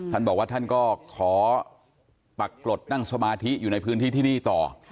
ท่านบอกว่าท่านก็ขอปรากฏนั่งสมาธิอยู่ในพื้นที่ที่นี่ต่อ